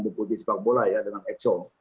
deputi sepak bola ya dengan exo